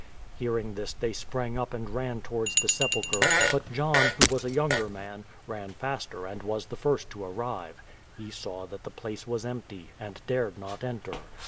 '' Hearing this they sprang up and ran towards the sepulchre, ])ut .lohn, who was a younger man, ran faster and was the first to arrive. He saw that the place was empty, and dared not enter.